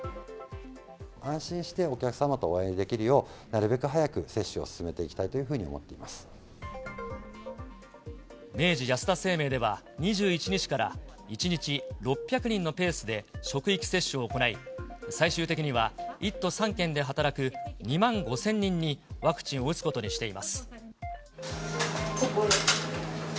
安心してお客様とお会いできるよう、なるべく早く接種を進めていきたいというふうに思ってい明治安田生命では、２１日から１日６００人のペースで職域接種を行い、最終的には１都３県で働く２万５０００人にワクチンを打つことにしています。